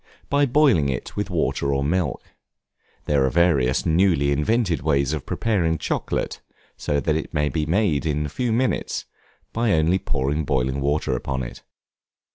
By boiling it with water or milk. There are various newly invented ways of preparing chocolate, so that it may be made in a few minutes, by only pouring boiling water upon it.